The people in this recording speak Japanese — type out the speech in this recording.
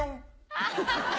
アハハハ。